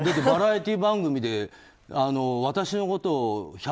バラエティー番組で私のことを１００％